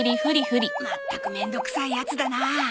まったく面倒くさいヤツだな。